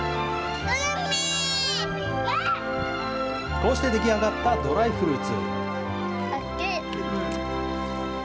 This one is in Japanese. こうして出来上がったドライフルーツ。